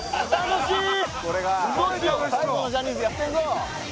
最後のジャニーズやってるぞ！